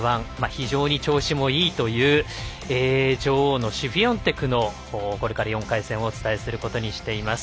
非常に調子もいいという女王のシフィオンテクの４回戦を、これからお伝えすることにしています。